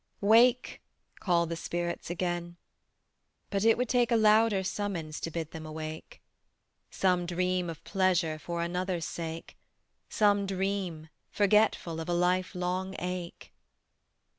"Wake," call the spirits again: But it would take A louder summons To bid them awake. Some dream of pleasure For another's sake; Some dream, forgetful Of a lifelong ache.